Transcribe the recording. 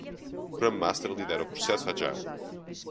Scrum Master lidera o processo Agile.